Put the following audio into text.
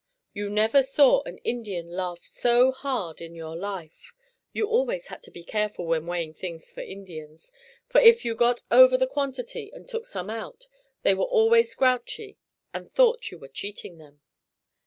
You never saw an Indian laugh so hard in your life. You always had to be careful when weighing things for Indians, for if you got over the quantity and took some out they were always grouchy as they thought you were cheating them.